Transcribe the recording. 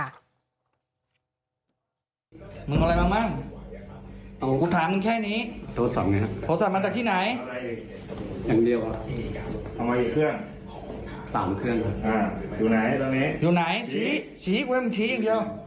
ต่ำเครื่องอ่าอยู่ไหนตรงนี้อยู่ไหนฉีกฉีกเว้ยมึงฉีกเดี๋ยว